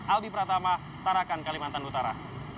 albi pratama tarakan kalimantan utara